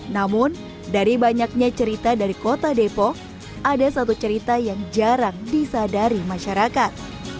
namun dari banyaknya cerita dari kota depok ada satu cerita yang jarang disadari masyarakat